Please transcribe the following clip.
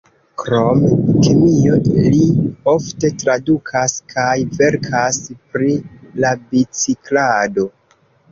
Krom kemio li ofte tradukas kaj verkas pri la biciklado.